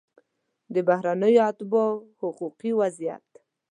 د بهرنیو اتباعو حقوقي وضعیت